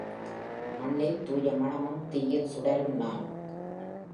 மண்ணில் தூய மணமும் தீயில் சுடரும் நான்.